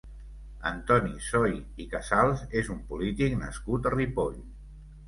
Antoni Soy i Casals és un polític nascut a Ripoll.